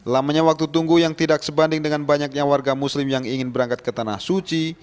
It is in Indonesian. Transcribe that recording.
lamanya waktu tunggu yang tidak sebanding dengan banyaknya warga muslim yang ingin berangkat ke tanah suci